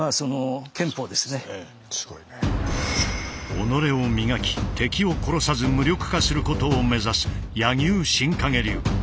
己を磨き敵を殺さず無力化することを目指す柳生新陰流。